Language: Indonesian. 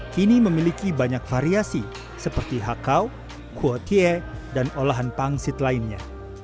kini memiliki banyak variasi seperti hakau kuotie dan olahan pangsit lainnya